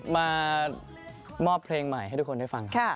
มามอบเพลงใหม่ให้ทุกคนได้ฟังครับ